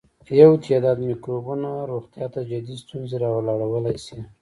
یو تعداد مکروبونه روغتیا ته جدي ستونزې راولاړولای شي.